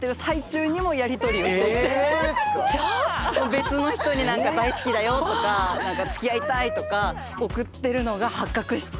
別の人に「大好きだよ」とか「つきあいたい」とか送ってるのが発覚して。